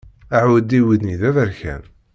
Aɛudiw-nni d aberkan.